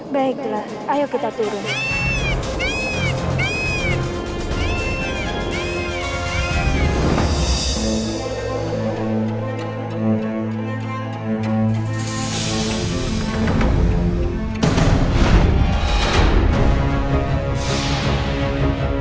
baiklah ayo kita turun